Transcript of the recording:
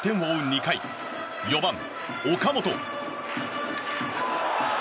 ２回４番、岡本。